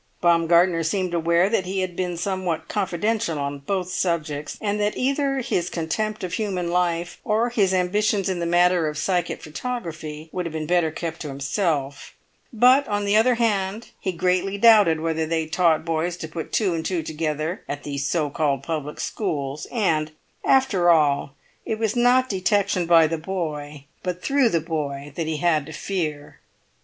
Baumgartner seemed aware that he had been somewhat confidential on both subjects, and that either his contempt of human life, or his ambitions in the matter of psychic photography, would have been better kept to himself; but, on the other hand, he "greatly doubted whether they taught boys to put two and two together, at these so called public schools"; and, after all, it was not detection by the boy, but through the boy, that he had to fear.